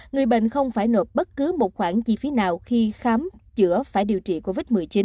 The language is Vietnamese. người bệnh không phải nộp bất cứ một khoản chi phí nào khi khám chữa phải điều trị covid một mươi chín